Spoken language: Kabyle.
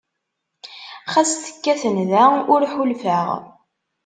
Xas tekkat nda, ur ḥulfeɣ.